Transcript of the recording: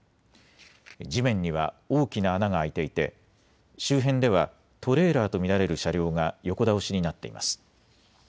地面には大きな穴が開いていて周辺ではトレーラーと見られる車両が横倒しになっています。